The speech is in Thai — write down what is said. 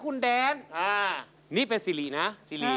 คุณฟังผมแป๊บนึงนะครับ